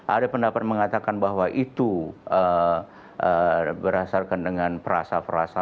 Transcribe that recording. ada pendapat mengatakan bahwa itu berdasarkan dengan perasa frasa